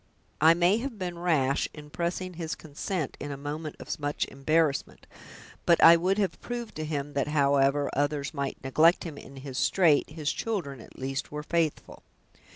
"I may have been rash in pressing his consent in a moment of much embarrassment, but I would have proved to him, that however others might neglect him in his strait his children at least were faithful."